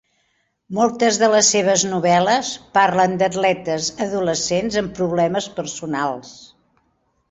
Moltes de les seves novel·les parlen d'atletes adolescents amb problemes personals.